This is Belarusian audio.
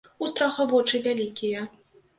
У страха вочы вялікія.